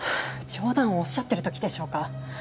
冗談をおっしゃってる時でしょうか？